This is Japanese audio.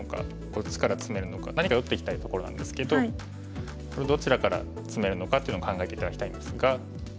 こっちからツメるのか何か打っていきたいところなんですけどこれどちらからツメるのかというのを考えて頂きたいんですが。